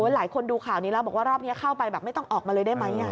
หลายคนดูข่าวนี้แล้วบอกว่ารอบนี้เข้าไปแบบไม่ต้องออกมาเลยได้ไหม